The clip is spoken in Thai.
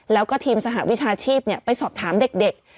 แล้วก็ทีมสหวิชาชีพไปสอบถามเด็ก